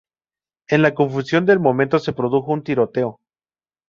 En la confusión del momento se produjo un tiroteo.